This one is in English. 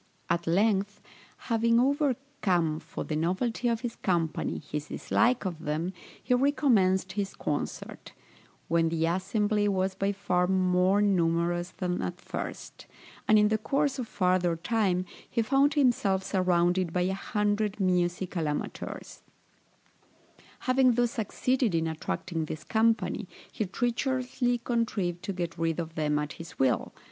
At length, having overcome, for the novelty of his company, his dislike of them, he recommenced his concert, when the assembly was by far more numerous than at first; and in the course of farther time, he found himself surrounded by a hundred musical amateurs. Having thus succeeded in attracting this company, he treacherously contrived to get rid of them at his will.